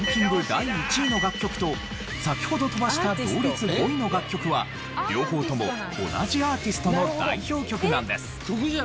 第１位の楽曲と先ほど飛ばした同率５位の楽曲は両方とも同じアーティストの代表曲なんです。